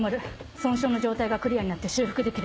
損傷の状態がクリアになって修復できる。